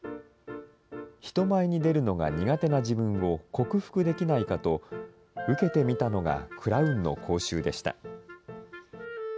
人前に出るのが苦手な自分を克服できないかと、受けてみたのがクラウンの講習でした。